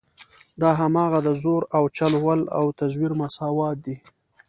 دا هماغه د زور او چل ول او تزویر مساوات دي.